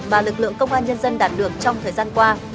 và lực lượng công an nhân dân đạt được trong thời gian này